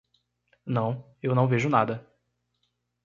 Não, eu não vejo nada.